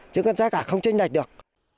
chứ cái giá cả không chênh đạch được